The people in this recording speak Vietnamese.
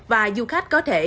và du khách có thể